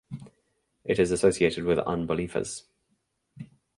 It is associated with umbellifers.